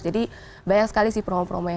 jadi banyak sekali sih promo promo yang